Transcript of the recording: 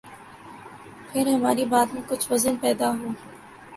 پھر ہماری بات میں کچھ وزن پیدا ہو۔